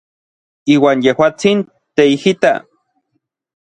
Iuan yejuatsin teijita.